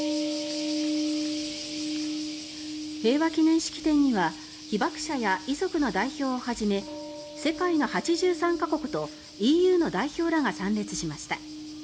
平和記念式典には被爆者や遺族の代表をはじめ世界の８３か国とＥＵの代表らが参列しました。